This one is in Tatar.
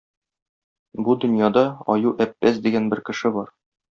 Бу дөньяда Аю-Әппәз дигән бер кеше бар.